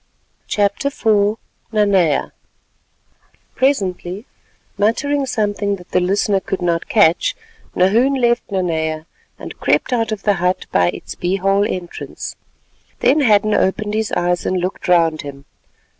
CHAPTER IV NANEA Presently, muttering something that the listener could not catch, Nahoon left Nanea, and crept out of the hut by its bee hole entrance. Then Hadden opened his eyes and looked round him.